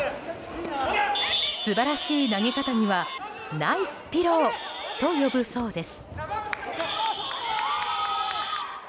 素晴らしい投げ方にはナイスピローと呼ぶそうです。